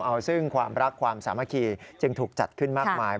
เอาซึ่งความรักความสามัคคีจึงถูกจัดขึ้นมากมาย